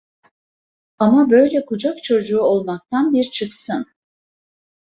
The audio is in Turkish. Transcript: Ama böyle kucak çocuğu olmaktan bir çıksın!